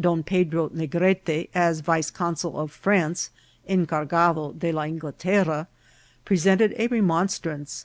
Don Pedro Negrete, as vice consul of France, Encargado de la Ingelterra, presented a remonstrance.